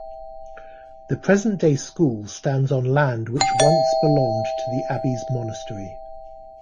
The present-day school stands on land which once belonged to the abbey's monastery.